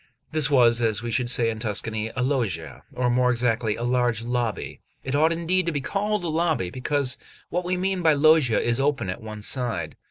This was, as we should say in Tuscany, a loggia, or, more exactly, a large lobby; it ought indeed to be called a lobby, because what we mean by loggia is open at one side.